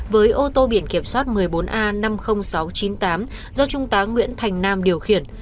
với ô tô biển kiểm soát một mươi bốn a năm mươi nghìn sáu trăm chín mươi tám do trung tá nguyễn thành nam điều khiển